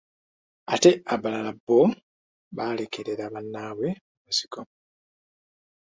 Ate abalala bo baalekerera banabwe mu nsiko.